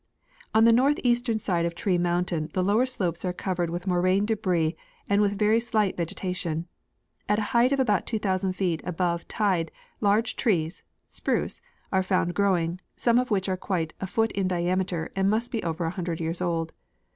On the northeastern side of Tree mountain the lower slopes are covered with moraine debris and with very slight vegetation. At a height of about 2,000 feet above tide large trees (spruce) are found growing, some of which are quite a foot in diameter and must be over a hundred years old.